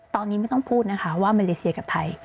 ตอนนี้ไม่ต้องพูดนะคะว่ามาเลเซียกับไทย